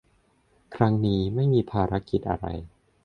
ครั้งนี้ไม่มีภารกิจอะไร